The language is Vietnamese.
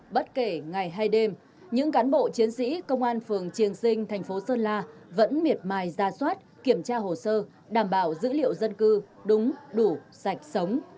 bất kể ngày hay đêm những cán bộ chiến sĩ công an phường triềng sinh thành phố sơn la vẫn miệt mài ra soát kiểm tra hồ sơ đảm bảo dữ liệu dân cư đúng đủ sạch sống